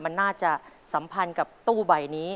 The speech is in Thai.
มันน่าจะสัมพันธ์กับตู้ใบนี้